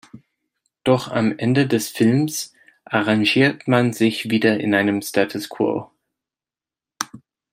Doch am Ende des Films arrangiert man sich wieder in einem Status quo.